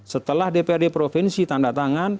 setelah dprd provinsi tanda tangan